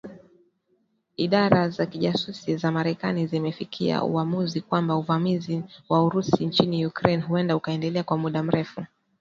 Idara za kijasusi za Marekani zimefikia uwamuzi kwamba uvamizi wa Urusi nchini Ukraine huenda ukaendelea kwa muda mrefu